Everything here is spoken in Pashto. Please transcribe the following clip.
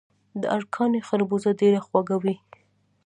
د ارکاني خربوزه ډیره خوږه وي.